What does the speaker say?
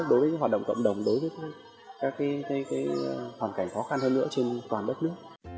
đối với hoạt động cộng đồng đối với các hoàn cảnh khó khăn hơn nữa trên toàn đất nước